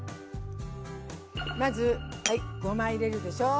まずごま入れるでしょ。